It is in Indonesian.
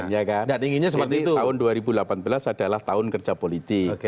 jadi tahun dua ribu delapan belas adalah tahun kerja politik